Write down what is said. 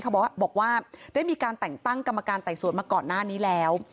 เขาบอกว่าได้มีการแต่งตั้งกรรมการไต่สวนมาก่อนหน้านี้แล้ว